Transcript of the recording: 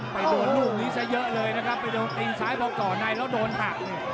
ไปโดนลูกนี้ซะเยอะเลยนะครับไปโดนตีนซ้ายพอก่อในแล้วโดนหัก